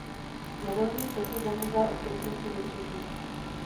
Na dolním toku zamrzá od prosince do března.